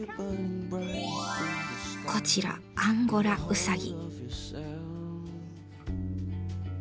こちらアンゴラウサギ。